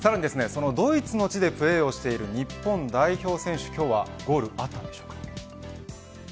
ドイツの地でプレーをしている日本代表選手ゴールはあったのでしょうか。